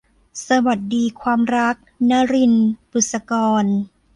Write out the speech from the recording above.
สวัสดีความรัก - นลิน บุษกร